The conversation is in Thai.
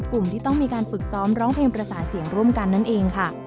ที่ต้องมีการฝึกซ้อมร้องเพลงประสานเสียงร่วมกันนั่นเองค่ะ